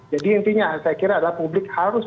jadi intinya saya kira adalah publik harus